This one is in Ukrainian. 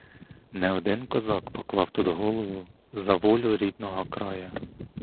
Не один козак поклав тут голову за волю рідного краю.